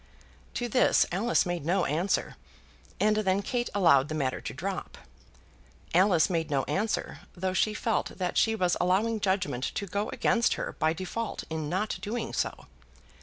To this Alice made no answer, and then Kate allowed the matter to drop. Alice made no answer, though she felt that she was allowing judgement to go against her by default in not doing so.